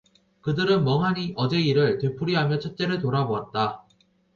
그들은 멍하니 어제 일을 되풀이하며 첫째를 돌아보았다.